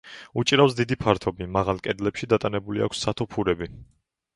უჭირავს დიდი ფართობი, მაღალ კედლებში დატანებული აქვს სათოფურები.